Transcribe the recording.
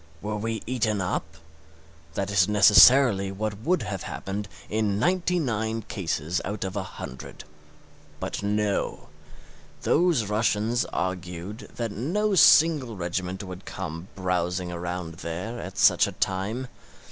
We were eaten up? That is necessarily what would have happened in ninety nine cases out of a hundred. But no; those Russians argued that no single regiment would come browsing around there at such a time.